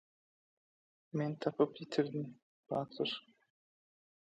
Men tapyp ýitirdim, batyr.